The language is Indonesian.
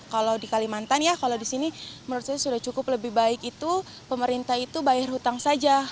kalau di kalimantan ya kalau di sini menurut saya sudah cukup lebih baik itu pemerintah itu bayar hutang saja